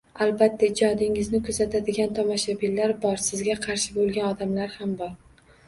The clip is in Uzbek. Albatta, ijodingizni kuzatadigan tomoshabinlar bor, sizga qarshi boʻlgan odamlar ham bor.